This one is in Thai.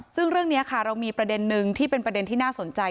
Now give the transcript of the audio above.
ซึ่งเรื่องนี้ค่ะเรามีประเด็นนึงที่เป็นประเด็นที่น่าสนใจ